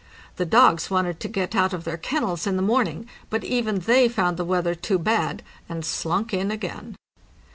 The dogs wanted to get out of their kennels in the morning, but even they found the weather too bad, and slunk in again.